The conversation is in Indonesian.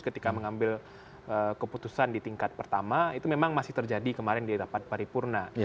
ketika mengambil keputusan di tingkat pertama itu memang masih terjadi kemarin di rapat paripurna